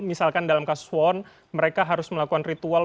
misalkan dalam kasus wan mereka harus melakukan ritual